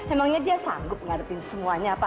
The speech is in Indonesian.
emangnya dia sanggup menghadapi semuanya apa